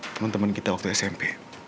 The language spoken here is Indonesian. temen temen kita waktu smp